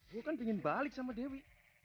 gue kan pengen balik sama dewi